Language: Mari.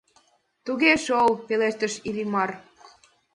— Туге шол, — пелештыш Иллимар.